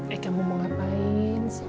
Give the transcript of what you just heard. eh kamu mau ngapain